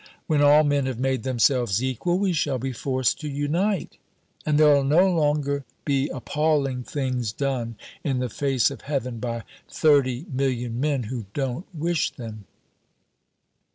"When all men have made themselves equal, we shall be forced to unite." "And there'll no longer be appalling things done in the face of heaven by thirty million men who don't wish them."